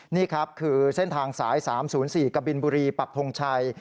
นี่ครับคือเส้นทางสาย๓๐๔กบินบุรีปักทงชัย